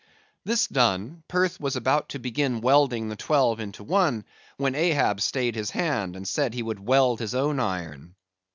This done, Perth was about to begin welding the twelve into one, when Ahab stayed his hand, and said he would weld his own iron.